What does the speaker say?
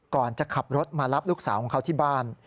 ก่อนจะขับรถมารับลูกสาวของเขาที่บ้าน